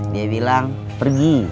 dia bilang pergi